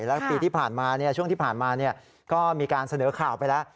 แล้วปีที่ผ่านมาช่วงที่ผ่านมาก็มีการเสนอข่าวไปแล้ว